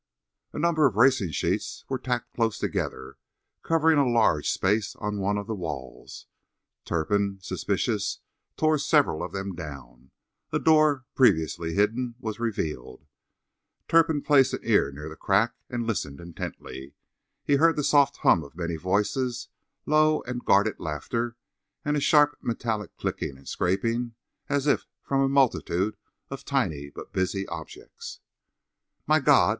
A number of racing sheets were tacked close together, covering a large space on one of the walls. Turpin, suspicious, tore several of them down. A door, previously hidden, was revealed. Turpin placed an ear to the crack and listened intently. He heard the soft hum of many voices, low and guarded laughter, and a sharp, metallic clicking and scraping as if from a multitude of tiny but busy objects. "My God!